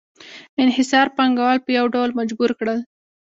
انحصار پانګوال په یو ډول مجبور کړل